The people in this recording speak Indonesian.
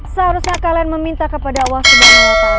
seharusnya kalian meminta kepada allah swt